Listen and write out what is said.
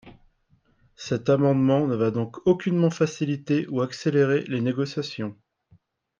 Cet amendement ne va donc aucunement faciliter ou accélérer les négociations.